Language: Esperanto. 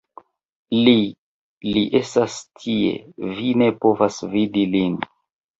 Li, li estas tie, vi ne povas vidi lin.